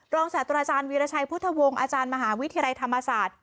ศาสตราจารย์วีรชัยพุทธวงศ์อาจารย์มหาวิทยาลัยธรรมศาสตร์